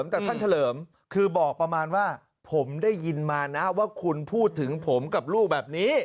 แต่ท่านเฉลิมคือบอกประมาณว่าผมได้ยินมานะว่าคุณพูดถึงผมกับลูกแบบนี้